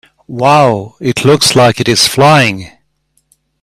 Wow! It looks like it is flying!